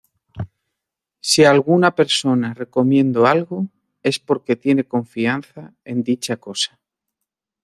Si alguna persona recomiendo algo, es porque tiene confianza en dicha cosa.